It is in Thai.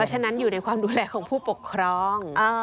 ฉะนั้นอยู่ในความดูแลของผู้ปกครอง